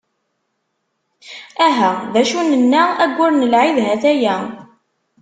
Aha! D acu nenna, aggur n lɛid ha-t-aya.